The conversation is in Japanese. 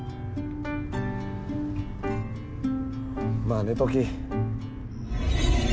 まあ寝とき。